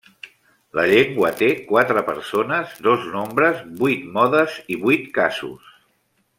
La llengua té quatre persones, dos nombres, vuit modes i vuit casos.